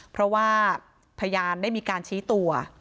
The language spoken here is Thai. เพราะว่าพยานได้มีการชี้ตัว